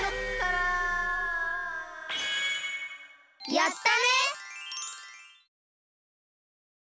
やったね！